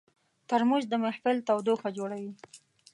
ترموز د محفل تودوخه جوړوي.